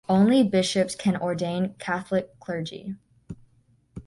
Only bishops can ordain Catholic clergy.